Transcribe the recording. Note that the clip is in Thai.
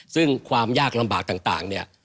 ซึ่งความยากลำบากต่างเนี่ย